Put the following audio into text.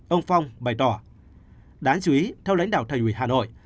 ông phong bày tỏ đáng chú ý theo lãnh đạo thành ủy hà nội